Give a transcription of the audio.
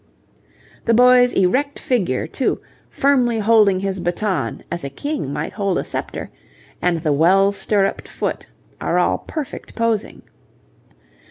The boy's erect figure, too, firmly holding his baton as a king might hold a sceptre, and the well stirruped foot, are all perfect posing.